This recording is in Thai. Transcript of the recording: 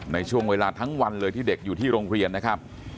ในช่วงเวลาทั้งวันเลยที่เด็กอยู่ที่โรงเรียนนะครับ